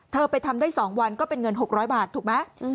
ไปทำได้๒วันก็เป็นเงิน๖๐๐บาทถูกไหม